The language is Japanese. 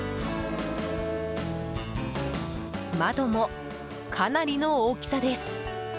窓も、かなりの大きさです。